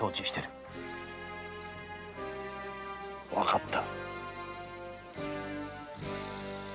わかった。